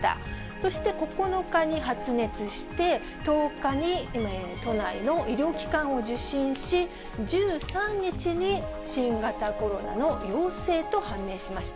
そして９日に発熱して、１０日に、都内の医療機関を受診し、１３日に新型コロナの陽性と判明しました。